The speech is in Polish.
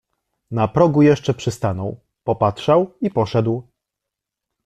Na progu jeszcze przystanął, popatrzał i poszedł.